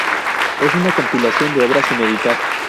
Es una compilación de obras sin editar.